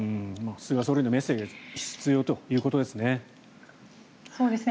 菅総理のメッセージが必要ということですね。